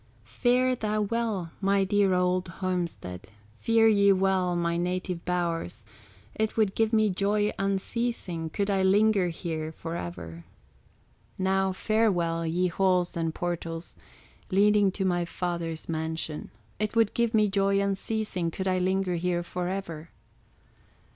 "Fare thou well, my dear old homestead, Fare ye well, my native bowers; It would give me joy unceasing Could I linger here forever. Now farewell, ye halls and portals, Leading to my father's mansion; It would give me joy unceasing Could I linger here forever.